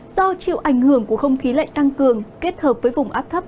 do chịu ảnh hưởng của không khí lạnh tăng cường kết hợp với vùng áp thấp